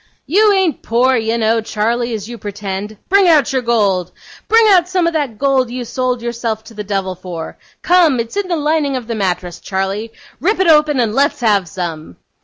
'You ain't poor, you know, Charley, as you pretend. Bring out your gold. Bring out some of the gold you sold yourself to the devil for. Come! It's in the lining of the mattress, Charley. Rip it open and let's have some!